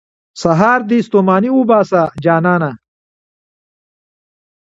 سهار دې ستوماني وباسه، جانانه.